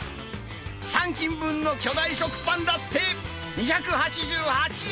３斤分の巨大食パンだって２８８円。